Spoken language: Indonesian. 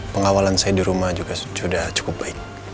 pengawalan saya di rumah juga sudah cukup baik